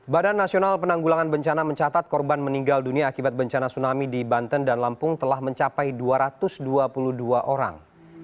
badan nasional penanggulangan bencana mencatat korban meninggal dunia akibat bencana tsunami di banten dan lampung telah mencapai dua ratus dua puluh dua orang